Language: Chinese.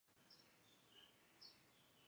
歧伞香茶菜为唇形科香茶菜属下的一个种。